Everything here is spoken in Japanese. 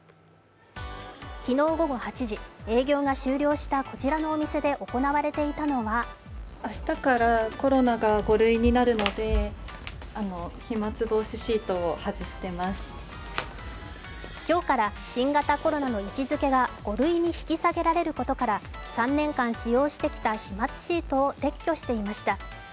昨日午後８時、営業が終了したこちらのお店で行われていたのは今日から新型コロナの位置づけが５類に引き下げられることから３年間使用してきた飛まつシートを撤去していました。